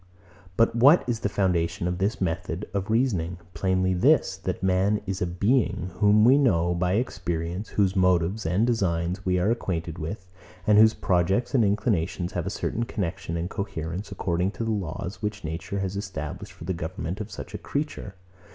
But what is the foundation of this method of reasoning? Plainly this; that man is a being, whom we know by experience, whose motives and designs we are acquainted with, and whose projects and inclinations have a certain connexion and coherence, according to the laws which nature has established for the government of such a creature.